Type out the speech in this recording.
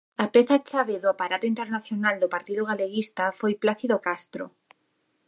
A peza chave do aparato internacional do Partido Galeguista foi Plácido Castro.